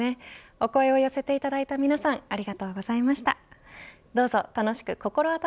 お声を寄せていただいた皆さんありがとうございました。